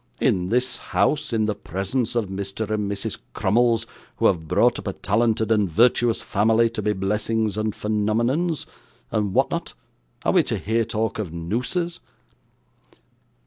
'In this house, in the presence of Mr. and Mrs. Crummles, who have brought up a talented and virtuous family, to be blessings and phenomenons, and what not, are we to hear talk of nooses?